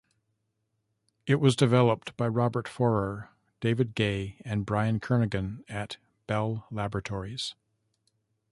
It was developed by Robert Fourer, David Gay, and Brian Kernighan at Bell Laboratories.